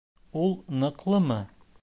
Ул ныҡлымы?